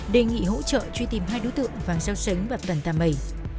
đề nghị hỗ trợ truy tìm hai đối tượng vàng xeo sánh và tần tà mẩy